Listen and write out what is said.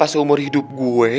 apa seumur hidup gue